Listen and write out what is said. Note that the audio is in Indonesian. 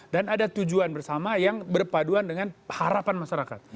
dan ada tujuan bersama yang berpaduan dengan harapan masyarakat